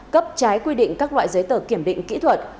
cấp trái quy định các loại giấy tờ kiểm định kỹ thuật